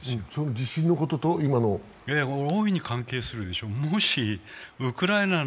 地震のことと今のこと大いに関係するでしょう。